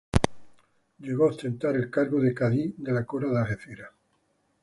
Llegó a ostentar el cargo de cadí de la Cora de Algeciras.